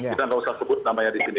kita gak usah sebut namanya disini